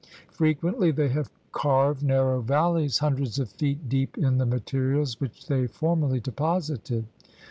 Frequently they have carved narrow valleys himdreds of feet deep in the materials which they formerly deposited.